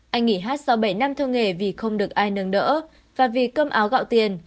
anh nghỉ hát sau bảy năm theo nghề vì không được ai nương đỡ và vì cơm áo gạo tiền